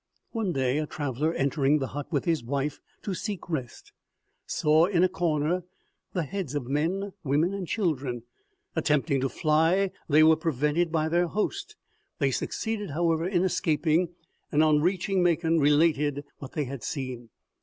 One day a traveller entering the hut with his wife to seek rest, saw in a corner the heads of men, women and children. Attempting to fly, they were prevented by their host. They succeeded, however, in escaping, and on reaching Macon, related what they had seen.